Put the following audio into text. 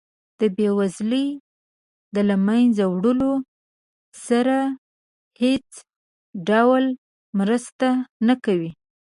د بیوزلۍ د له مینځه وړلو سره هیڅ ډول مرسته نه کوي.